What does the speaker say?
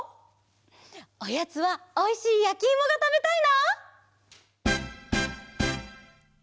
おやつはおいしいやきいもがたべたいな！